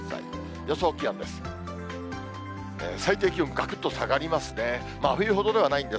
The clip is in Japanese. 予想気温です。